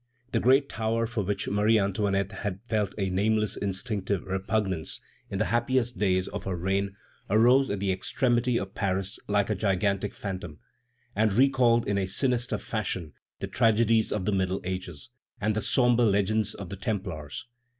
The great tower for which Marie Antoinette had felt a nameless instinctive repugnance in the happiest days of her reign, arose at the extremity of Paris like a gigantic phantom, and recalled in a sinister fashion the tragedies of the Middle Ages and the sombre legends of the Templars.